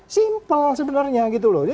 simple sebenarnya gitu loh